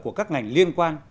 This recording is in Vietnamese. của các ngành liên quan